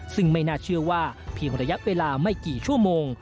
ซึ่งไม่น่าเชื่อว่าเพียงระยะเวลาไม่กี่ชั่วโมง